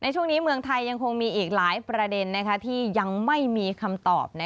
ช่วงนี้เมืองไทยยังคงมีอีกหลายประเด็นที่ยังไม่มีคำตอบ